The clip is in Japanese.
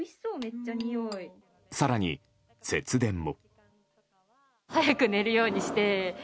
更に、節電も。